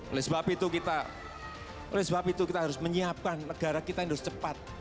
oleh sebab itu kita harus menyiapkan negara kita yang harus cepat